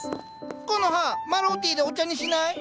コノハマロウティーでお茶にしない？